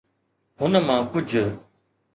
هن مان ڪجهه